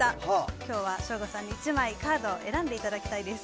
今日は省吾さんにカードを１枚選んでいただきたいです。